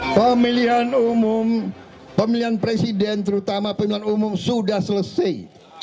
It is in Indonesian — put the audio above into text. pemilihan umum pemilihan presiden terutama pemilihan umum sudah selesai